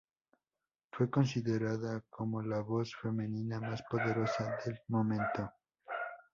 Fue considerada como la voz femenina más poderosa del momento.